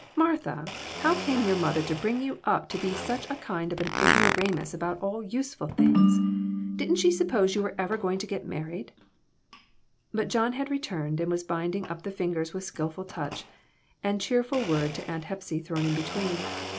Martha, how came your mother to bring you up to be such a kind of an ignoramus about all useful things? Didn't she suppose you were ever going to get married ?" But John had returned, and was binding up the fingers with skillful touch, and cheerful word to Aunt Hepsy thrown in between.